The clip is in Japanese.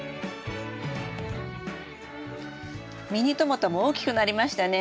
ミニトマトも大きくなりましたね。